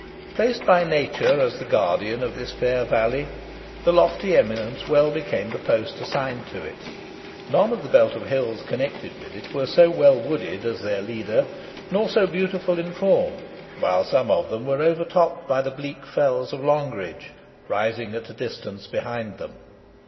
Placed by Nature as the guardian of this fair valley, the lofty eminence well became the post assigned to it. None of the belt of hills connected with it were so well wooded as their leader, nor so beautiful in form; while some of them were overtopped by the bleak fells of Longridge, rising at a distance behind them.